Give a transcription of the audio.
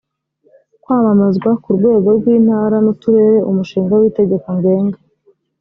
kwamamazwa ku rwego rw intara n uturere umushinga w itegeko ngenga